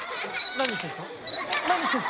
何してるんですか？